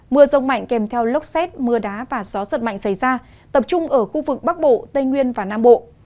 mưa rông mạnh kèm theo lốc xét mưa đá và gió giật mạnh xảy ra tập trung ở khu vực bắc bộ tây nguyên và nam bộ